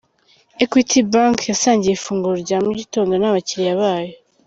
Equity Bank yasangiye ifunguro rya mu gitondo n'abakiliya bayo.